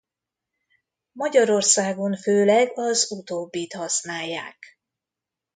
Magyarországon főleg az utóbbit használják.